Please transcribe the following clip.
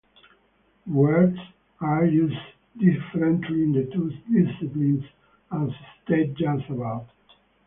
The words are used differently in the two disciplines, as stated just above.